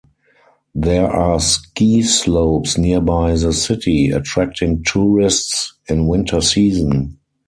There are ski slopes nearby the city, attracting tourists in winter season.